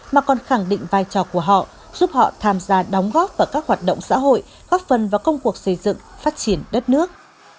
mà còn khẳng định vai trò của họ giúp họ tham gia đóng góp vào các hoạt động xã hội góp phần vào công cuộc xây dựng phát triển đất nước